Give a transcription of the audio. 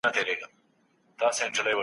دا غږ د کايناتو د پټو رازونو په څېر عجیب و.